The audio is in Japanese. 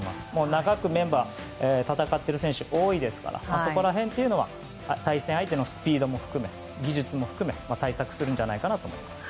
長くメンバーが戦っている選手多いですからそこら辺というのは対戦相手のスピードも含め技術も含め対策するんじゃないかなと思います。